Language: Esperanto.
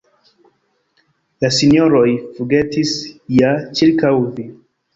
La sinjoroj flugetis ja ĉirkaŭ vi.